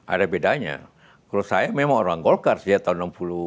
ada bedanya kalau saya memang orang golkar sejak tahun seribu sembilan ratus enam puluh an